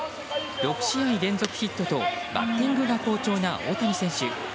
６試合連続ヒットとバッティングが好調な大谷選手。